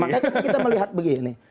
makanya kita melihat begini